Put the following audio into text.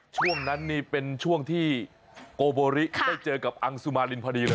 ช่วงนั้นนี่เป็นช่วงที่โกโบริได้เจอกับอังสุมารินพอดีเลย